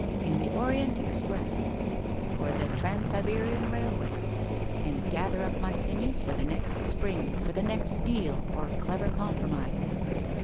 — in the Orient Express, or the Trans Siberian Railway, and gather up my sinews for the next spring, for the next deal, or clover compromise.'